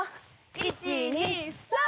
１２３！